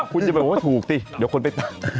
คุณจะบอกว่าถูกติเดี๋ยวคนเป็นตา